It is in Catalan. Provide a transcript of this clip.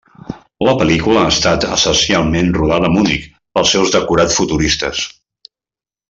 La pel·lícula ha estat essencialment rodada a Munic pels seus decorats futuristes.